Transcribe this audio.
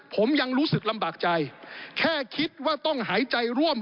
ผมยังรู้สึกลำบากใจแค่คิดว่าต้องหายใจร่วม